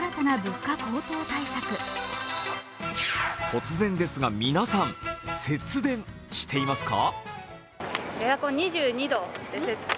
突然ですが皆さん、節電していますか？